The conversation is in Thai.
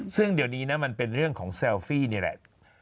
ซึ่งเดี๋ยวนี้นะมันเป็นเรื่องของเซลฟี่นี่แหละ